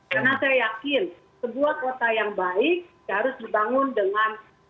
karena saya yakin sebuah kota yang baik harus dibangun dengan